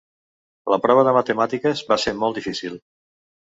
La prova de Matemàtiques va ser molt difícil